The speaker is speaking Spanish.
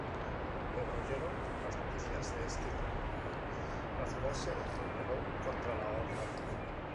Pero oyendo las noticias de este crimen, la ciudad se rebeló contra la Horda.